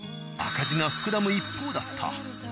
赤字が膨らむ一方だった。